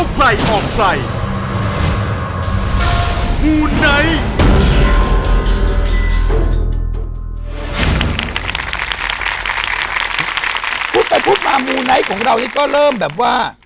พูดไปพูดมามูไนท์ของเรานี่ก็เริ่มแบบว่า